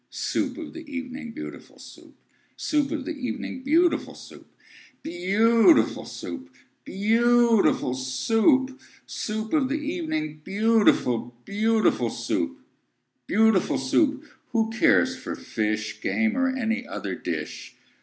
Soup of the evening, beautiful Soup! Soup of the evening, beautiful Soup! Beau ootiful Soo oop! Beau ootiful Soo oop! Soo oop of the e e evening, Beautiful, beautiful Soup! Beautiful Soup! Who cares for fish, Game, or any other dish?